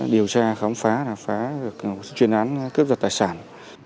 điều tra khám phá chuyên án cướp giật tài sản